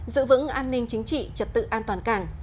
giữ vững an ninh chính trị trật tự an toàn cảng